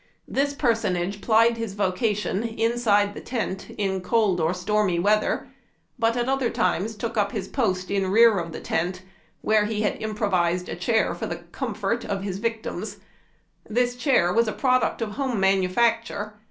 This personage plied his vocation inside the tent in cold or stormy weather, but at other times took his post in rear of the tent, where he had improvised a chair for the com fort (?) of liis victims. This chair was a product of home manufacture.